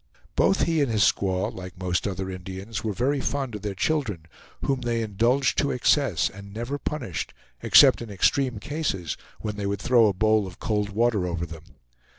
Both he and his squaw, like most other Indians, were very fond of their children, whom they indulged to excess, and never punished, except in extreme cases when they would throw a bowl of cold water over them.